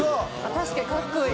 確かにかっこいい。